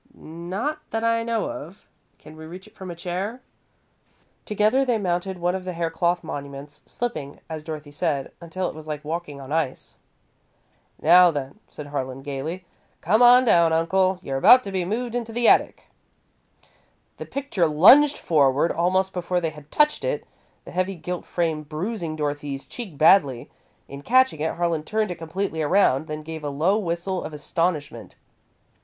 "Not that I know of. Can we reach it from a chair?" Together they mounted one of the haircloth monuments, slipping, as Dorothy said, until it was like walking on ice. "Now then," said Harlan, gaily, "come on down, Uncle! You're about to be moved into the attic!" The picture lunged forward, almost before they had touched it, the heavy gilt frame bruising Dorothy's cheek badly. In catching it, Harlan turned it completely around, then gave a low whistle of astonishment.